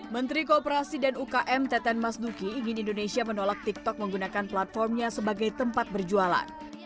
menteri kooperasi dan ukm teten mas duki ingin indonesia menolak tiktok menggunakan platformnya sebagai tempat berjualan